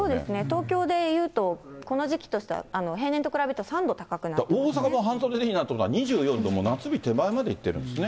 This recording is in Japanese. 東京でいうと、この時期としては、平年と比べる大阪も半袖でいいなと、２４度、もう夏日手前までいってるんですね。